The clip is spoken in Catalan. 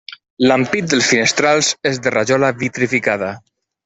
L'ampit dels finestrals és de rajola vitrificada.